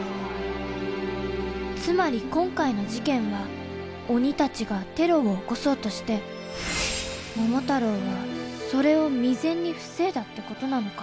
つまり今回の事件は鬼たちがテロを起こそうとして桃太郎はそれを未然に防いだってことなのか。